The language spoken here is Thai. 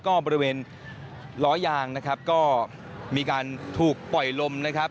ก็บริเวณล้อยางนะครับก็มีการถูกปล่อยลมนะครับ